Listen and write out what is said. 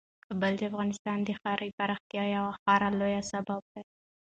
کابل د افغانستان د ښاري پراختیا یو خورا لوی سبب دی.